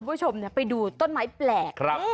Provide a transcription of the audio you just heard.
คุณผู้ชมไปดูต้นไม้แปลก